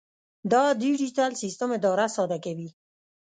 دا ډیجیټل سیسټم اداره ساده کوي.